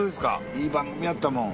いい番組やったもん。